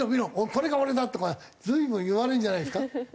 これが俺だ」とか随分言われるんじゃないですか？